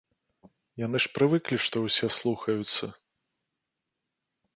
Яны ж прывыклі, што ўсе слухаюцца.